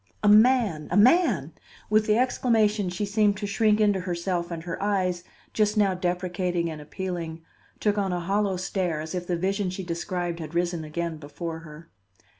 "A man! a man!" With the exclamation she seemed to shrink into herself and her eyes, just now deprecating and appealing, took on a hollow stare, as if the vision she described had risen again before her.